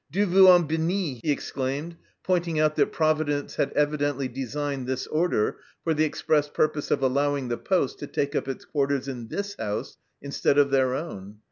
" Dieu vous a benit !" he exclaimed, pointing out that Providence had evidently designed this order for the express purpose of allowing the poste to take up its quarters in this house instead of their own.